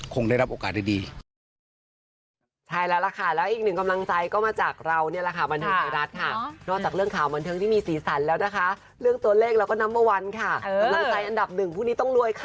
คงได้รับโอกาสดี